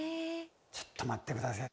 ちょっと待って下さい。